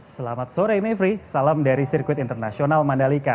selamat sore mevri salam dari sirkuit internasional mandalika